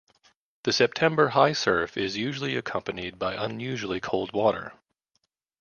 The September high surf is usually accompanied by unusually cold water.